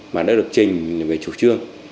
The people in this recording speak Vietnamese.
mà đã được trình về chủ trương